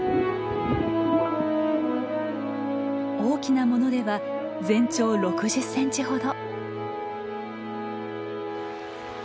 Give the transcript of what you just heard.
大きなものでは全長６０センチほど。